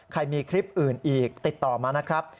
ใครมีคลิปอื่นอีกติดต่อมานะครับ